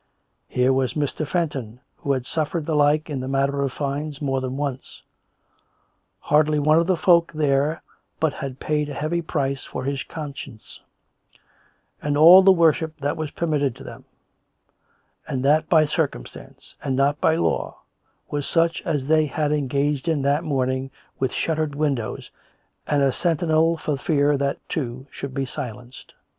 Here was Mr. Fenton, who had suffered the like in the matter of fines more than once. Hardl}' one of the folk there but had paid a heavy price for his conscience ; and all the worship that was permitted to them, and that by circumstance, and not by law, was such as they had engaged in that morning with shuttered windows and a sentinel for fear that, too, should be silenced.